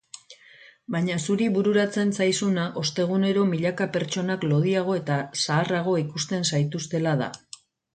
Baina zuri bururatzen zaizuna ostegunero milaka pertsonak lodiago eta zaharrago ikusten zaituztela da.